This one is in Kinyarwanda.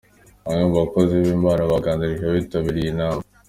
Bamwe mu bakozi b'Imana baganirije abitabiriye iyi nama.